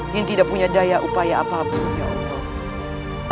yang tidak punya daya upaya apapun ya allah